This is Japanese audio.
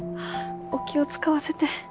お気を使わせて。